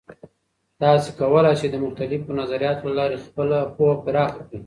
تاسې کولای سئ د مختلفو نظریاتو له لارې خپله پوهه پراخه کړئ.